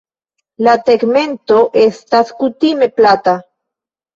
La tegmento estas kutime plata.